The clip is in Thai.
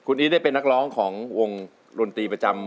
อีทได้เป็นนักร้องของวงดนตรีประจำ